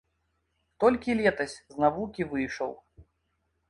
Толькі летась з навукі выйшаў.